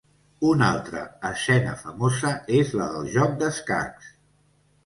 Una altra escena famosa és la del joc d'escacs.